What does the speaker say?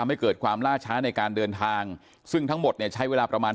ไม่เกิดความล่าช้าในการเดินทางซึ่งทั้งหมดเนี่ยใช้เวลาประมาณ